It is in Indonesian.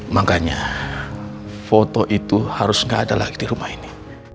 makanya foto itu harus nggak ada lagi di rumah ini